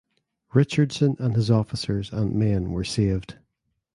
Richardson and his officers and men were saved.